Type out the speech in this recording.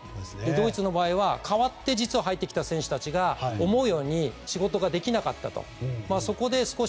ドイツの場合は実は代わって入ってきた選手たちが思うように仕事ができなかったと。